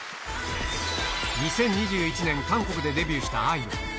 ２０２１年、韓国でデビューしたＩＶＥ。